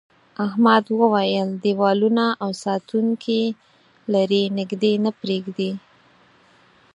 احمد وویل دیوالونه او ساتونکي لري نږدې نه پرېږدي.